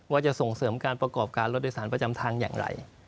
ว่าจะส่งเสริมการประกอบการรถโดยสารประจำทางอย่างไร